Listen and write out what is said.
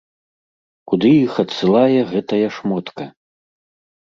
Куды іх адсылае гэтая шмотка?